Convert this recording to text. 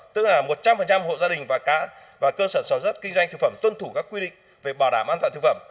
tức là một trăm linh hộ gia đình và cơ sở sở dất kinh doanh thực phẩm tuân thủ các quy định về bảo đảm an toàn thực phẩm